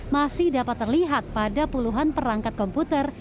masih dapat terlihat pada puluhan perangkat komputer